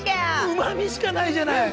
うまみしかないじゃない！